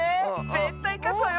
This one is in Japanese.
ぜったいかつわよ！